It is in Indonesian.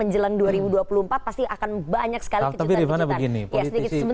jelang dua ribu dua puluh empat pasti akan banyak sekali kejutan kejutan